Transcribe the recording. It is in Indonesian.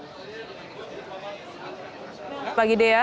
selamat pagi dea